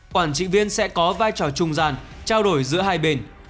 quản trị viên sẽ có vai trò trung gian trao đổi giữa hai bên